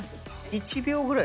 １秒ぐらい。